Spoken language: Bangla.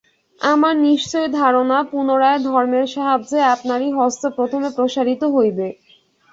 আমার নিশ্চয় ধারণা, পুনরায় ধর্মের সাহায্যে আপনারই হস্ত প্রথমে প্রসারিত হইবে।